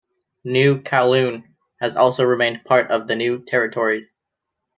"New Kowloon" has also remained part of the New Territories.